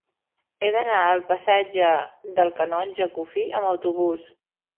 He d'anar al passatge del Canonge Cuffí amb autobús.